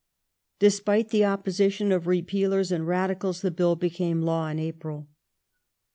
Despite the opposition of Repealers and Radicals the Bill became law in April.